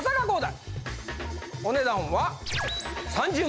お値段は。